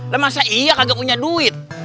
lah masa iya kagak punya duit